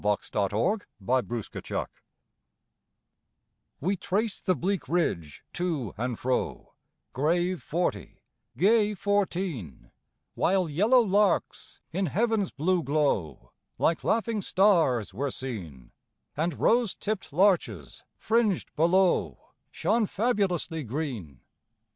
22 The Train of Life We traced the bleak ridge, to and fro, Grave forty, gay fourteen ; While yellow larks, in heaven's blue glow, Like laughing stars were seen, And rose tipp'd larches, fringed below, Shone fabulously green.